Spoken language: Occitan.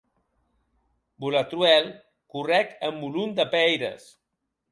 Boulatruelle correc en molon de pèires.